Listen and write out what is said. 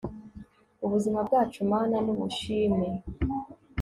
ubuzima bwacu mana n'ubushime